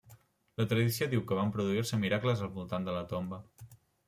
La tradició diu que van produir-se miracles al voltant de la tomba.